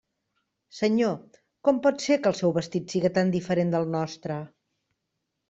Senyor, com pot ser que el seu vestit siga tan diferent del nostre?